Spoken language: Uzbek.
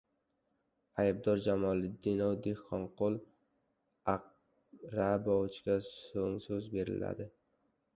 —...Aybdor Jamoliddinov Dehqonqul Aqrabovichga so‘ngso‘z beriladi!